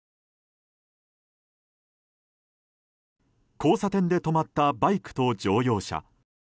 交差点で止まったバイクと乗用車。